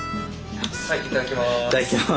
さあいただきます。